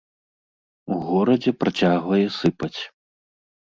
У горадзе працягвае сыпаць.